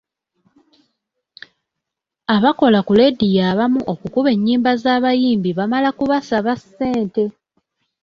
Abakola ku leediyo abamu okukuba ennyimba z’abayimbi bamala kubasaba ssente.